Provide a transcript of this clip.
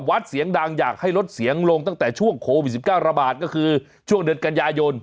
วัดเสียงดังอยากให้ลดเสียงลงตั้งแต่ช่วงโควิด๑๙ระบาดก็คือช่วงเดือนกันยายน